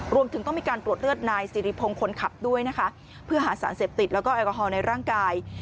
รวมถึงต้องมีการตรวจเลือดนายสิริพงศ์คนขับด้วยนะคะเพื่อหาสารเสพติดแล้วก็แอลกอฮอลในร่างกาย